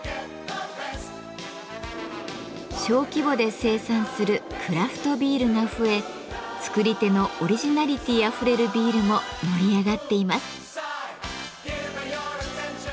小規模で生産する「クラフトビール」が増え作り手のオリジナリティーあふれるビールも盛り上がっています。